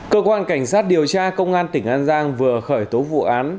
cơ quan cảnh sát điều tra công an tỉnh an giang vừa khởi tố vụ án